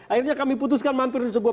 akhirnya kami putuskan mampir di sebuah